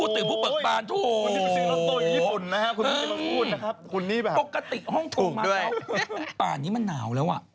ตายแล้ว